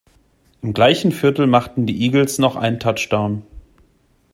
Im gleichen Viertel machten die Eagles noch einen Touchdown.